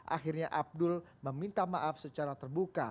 akhirnya abdul meminta maaf secara terbuka